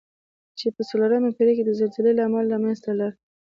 چې په څلورمه پېړۍ کې د زلزلې له امله له منځه لاړه.